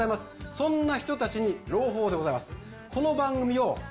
そんな人達に朗報でございます